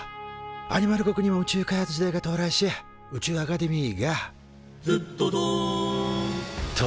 アニマル国にも宇宙開発時代が到来し宇宙アカデミーが「ずっどどん！」と誕生。